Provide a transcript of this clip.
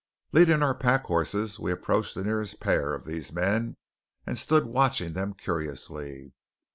Leading our pack horses we approached the nearest pair of these men, and stood watching them curiously.